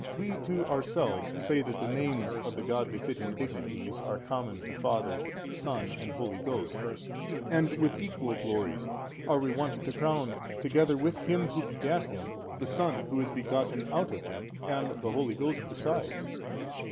A. We too ourselves say that the names of the God befitting dignities are common to Father Son and Holy Ghost, and with equal glories are we wont to crown together with Him Who begat Him the Son Who is begotten out of Him and the Holy Ghost besides.